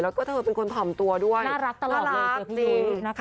และก็เธอเป็นคนผ่ำตัวด้วยน่ารักตลอดเลย